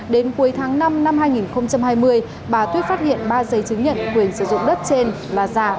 đến cuối tháng năm năm hai nghìn hai mươi bà tuyết phát hiện ba giấy chứng nhận quyền sử dụng đất trên là giả